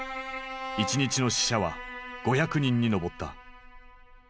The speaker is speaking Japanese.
１日の死者は５００人に上った。